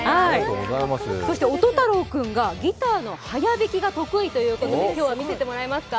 音太朗君がギターの早弾きが得意だということで今日は見せてもらえますか。